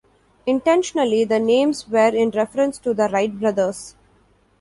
Intentionally, the names were in reference to the Wright brothers.